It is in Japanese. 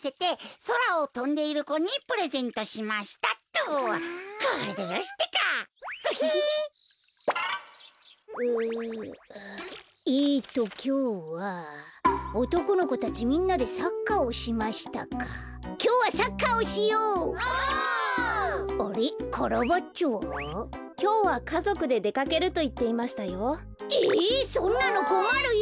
そんなのこまるよ。